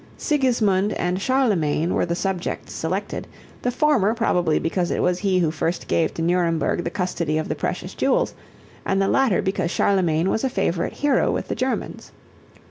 Sigismund and Charlemagne were the subjects selected, the former probably because it was he who first gave to Nuremberg the custody of the precious jewels, and the latter because Charlemagne was a favorite hero with the Germans.